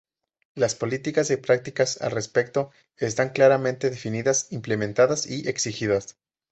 Las políticas y prácticas al respecto están claramente definidas, implementadas y exigidas.